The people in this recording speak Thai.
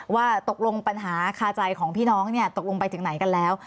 ว่าตกลงปัญหาคาใจของพี่น้องตกลงไปถึงไหนกันแล้ว